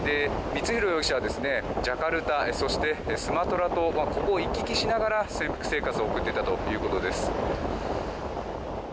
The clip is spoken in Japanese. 光弘容疑者はジャカルタそしてスマトラ島ここを行き来しながら潜伏生活を送っていたということです。